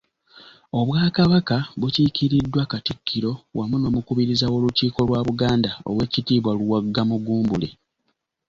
Obwakabaka bukiikiriddwa Katikkiro wamu n'omukubiriza w'Olukiiko lwa Buganda, Owekitiibwa Luwagga Mugumbule.